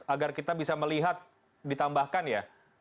agar kita bisa melihat ditambahkan ya